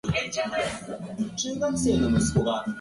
栃木県那須町